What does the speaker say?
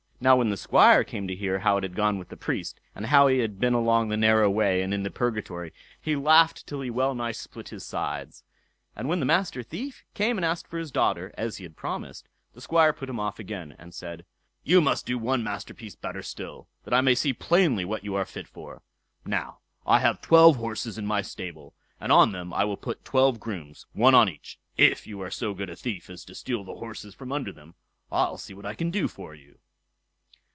Now when the Squire came to hear how it had gone with the Priest, and how he had been along the narrow way, and into purgatory, he laughed till he well nigh split his sides. But when the Master Thief came and asked for his daughter as he had promised, the Squire put him off again, and said: "You must do one masterpiece better still, that I may see plainly what you are fit for. Now, I have twelve horses in my stable, and on them I will put twelve grooms, one on each. If you are so good a thief as to steal the horses from under them, I'll see what I can do for you."